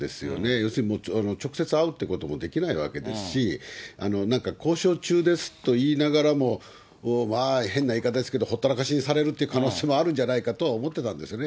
要するに直接会うということももうできないわけですし、なんか、交渉中ですといいながらも、変な言い方ですけれども、ほったらかしにされるという可能性もあるんじゃないかとは思ってたんですね。